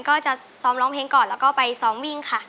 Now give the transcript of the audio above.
ก็จะซ้อมร้องเพลงก่อนแล้วก็ไปซ้อมวิ่งค่ะ